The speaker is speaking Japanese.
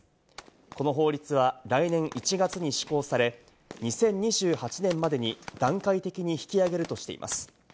この法律は来年１月に施行され、２０２８年までに段階的に引き上げるとしています。